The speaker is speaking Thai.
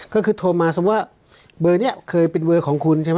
ก็คือโทรมาสมมุติว่าเบอร์นี้เคยเป็นเบอร์ของคุณใช่ไหม